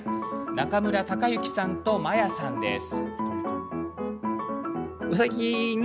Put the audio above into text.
中村隆之さんと麿矢さんです。